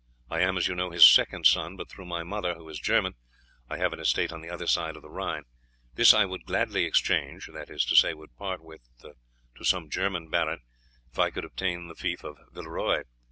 I am, as you know, his second son, but through my mother, who is a German, I have an estate on the other side of the Rhine. This I would gladly exchange that is to say, would part with to some German baron if I could obtain the fief of Villeroy.